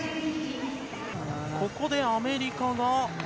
ここでアメリカが。